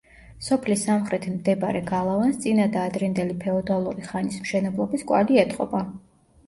სოფლის სამხრეთით მდებარე გალავანს წინა და ადრინდელი ფეოდალური ხანის მშენებლობის კვალი ეტყობა.